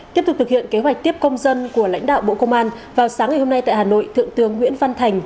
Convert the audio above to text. tiếp tục thực hiện kế hoạch tiếp công dân của lãnh đạo bộ công an vào sáng ngày hôm nay tại hà nội thượng tướng nguyễn văn thành